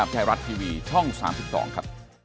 ชื่อสองครับ